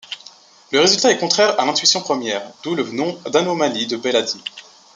Le résultat est contraire à l'intuition première, d'où le nom d'anomalie de Belady.